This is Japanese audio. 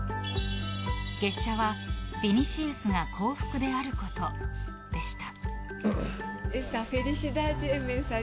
月謝はヴィニシウスが幸福であることでした。